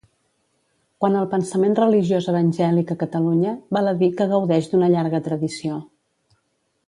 Quant al pensament religiós evangèlic a Catalunya, val a dir que gaudeix d’una llarga tradició.